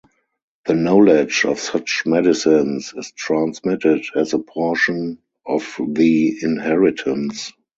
The knowledge of such medicines is transmitted as a portion of the inheritance.